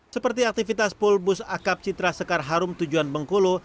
seperti aktivitas pulbus akap citra sekar harum tujuan bengkulu